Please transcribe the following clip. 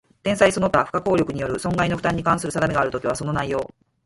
天災その他不可抗力による損害の負担に関する定めがあるときは、その内容